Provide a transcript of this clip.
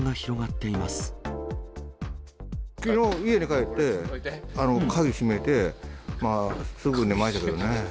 きのう、家に帰って鍵閉めて、すぐ寝ましたけどね。